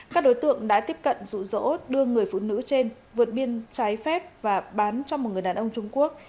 các đối tượng đã tiếp cận rủ rỗ đưa người phụ nữ trên vượt biên trái phép và bán cho một người đàn ông trung quốc